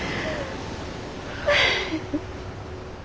フフフ。